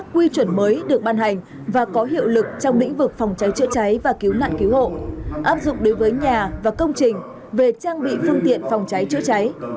quy chuẩn mới được ban hành và có hiệu lực trong lĩnh vực phòng cháy chữa cháy và cứu nạn cứu hộ áp dụng đối với nhà và công trình về trang bị phương tiện phòng cháy chữa cháy